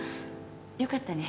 よかったね。